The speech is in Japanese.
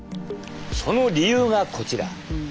その理由がこちら。